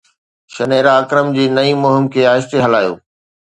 شنيرا اڪرم جي نئين مهم کي آهستي هلايو